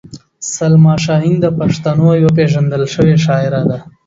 سلما شاهین د پښتنو یوه پېژندل شوې شاعره ده.